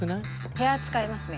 部屋使いますね。